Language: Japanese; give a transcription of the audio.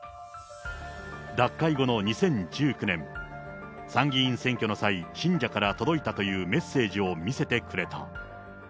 脱会後の２０１９年、参議院選挙の際、信者から届いたというメッセージを見せてくれた。